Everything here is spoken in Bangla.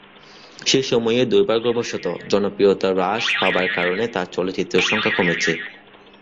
সে সময়ে দুর্ভাগ্যবশত, জনপ্রিয়তা হ্রাস পাবার কারণে তার চলচ্চিত্রের সংখ্যা কমছে।